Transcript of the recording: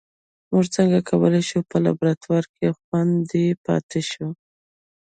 موږ څنګه کولای شو په لابراتوار کې خوندي پاتې شو